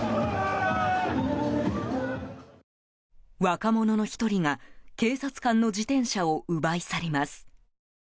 若者の１人が警察官の自転車を奪い去ります。